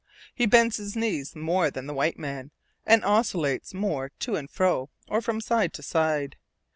He bends his knees more than the white man, and oscillates more to and fro, or from side to side.